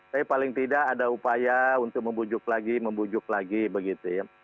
tapi paling tidak ada upaya untuk membujuk lagi membujuk lagi begitu ya